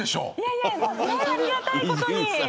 いやありがたいことに。